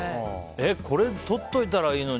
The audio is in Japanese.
これ、とっておいたらいいのに。